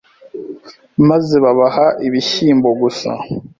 maze babaha ibishyimbo gusa